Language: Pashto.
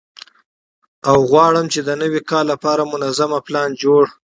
او غواړم چې د نوي کال لپاره منظم پلان جوړ